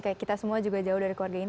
kayak kita semua juga jauh dari keluarga ini